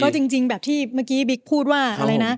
ก็จริงแบบที่เมื่อกี้บิ๊กพูดว่า